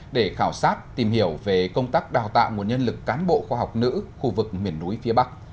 để khảo sát tìm hiểu về công tác đào tạo nguồn nhân lực cán bộ khoa học nữ khu vực miền núi phía bắc